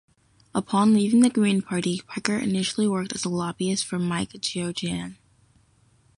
Upon leaving the Green Party, Parker initially worked as a lobbyist for Mike Geoghegan.